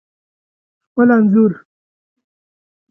خپل انځور